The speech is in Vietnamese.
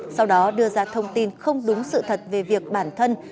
sau đó đưa ra thông tin không đúng sự thật về việc bản thân